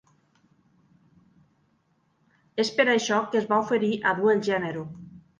Es per això que es va oferir a dur el gènero